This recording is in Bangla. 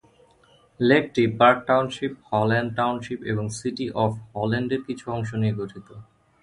লেকটি পার্ক টাউনশিপ, হল্যান্ড টাউনশিপ এবং সিটি অফ হল্যান্ডের কিছু অংশ নিয়ে গঠিত।